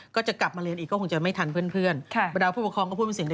ก็จะกลับมาเรียนอีกก็คงจะไม่ทันเพื่อน